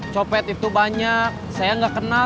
copet itu banyak saya nggak kenal